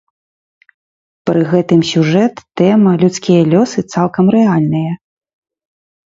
Пры гэтым сюжэт, тэма, людскія лёсы цалкам рэальныя.